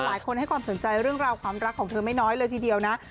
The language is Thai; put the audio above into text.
หลายคนให้ความสนใจเรื่องราวความรักของเธอไม่น้อยเลยทีเดียวนะ